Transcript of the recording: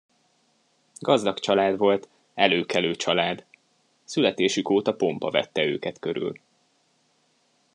Gazdag család volt, előkelő család; születésük óta pompa vette őket körül.